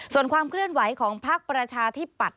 ส่วนความเคลื่อนไหวของภาคประชาที่ปัด